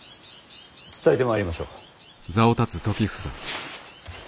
伝えてまいりましょう。